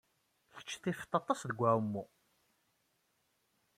Kecc tifed-t aṭas deg uɛumu.